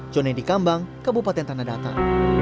jonedi kambang kebupaten tanah datar